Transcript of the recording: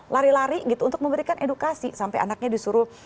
lari lari gitu untuk memberikan edukasi sampai anaknya disuruh